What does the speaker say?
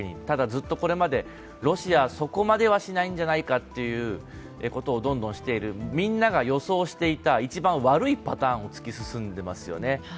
ただずっとこれまでロシアそこまではしないんじゃないかというどんどんしている、みんなが予想していた一番悪いパターンを突き進んでいますよね。